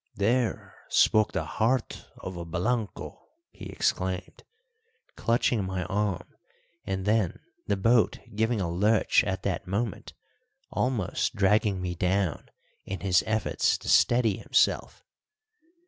"There spoke the heart of a Blanco!" he exclaimed, clutching my arm, and then, the boat giving a lurch at that moment, almost dragging me down in his efforts to steady himself.